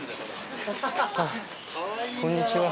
こんにちは。